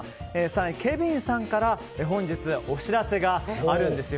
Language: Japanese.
更にはケビンさんから本日、お知らせがあります。